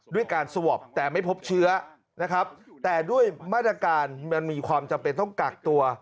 ด้วยการสวอปแต่ไม่พบเชื้อนะครับแต่ด้วยมาตรการมันมีความจำเป็นต้องกักตัว